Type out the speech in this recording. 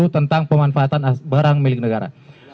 tentang pemanfaatan barang milik negara